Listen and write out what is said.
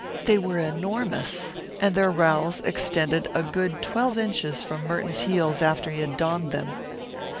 They were enormous, and their rowels extended a good twelve inches from Merton's heels after he had donned them.